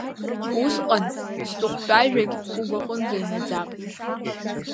Усҟан сҵыхәтәажәагь угәаҟынӡа инаӡап.